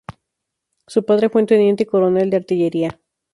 Su padre fue un teniente coronel de artillería.